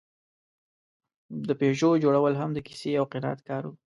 د پيژو جوړول هم د کیسې او قناعت کار و.